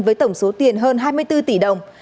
với tổng số tiền hơn hai mươi bốn tỷ đồng